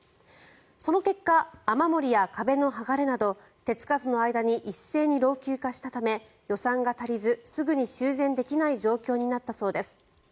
その結果雨漏りや壁の剥がれなど手付かずの間に一斉に老朽化したため予算が足りずすぐに修繕できない状況になったそうです。